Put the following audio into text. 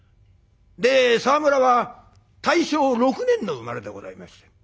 沢村は大正６年の生まれでございまして。